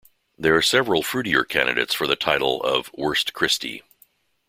There are several fruitier candidates for the title of 'worst Christie'.